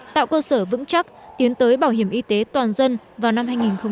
tạo cơ sở vững chắc tiến tới bảo hiểm y tế toàn dân vào năm hai nghìn hai mươi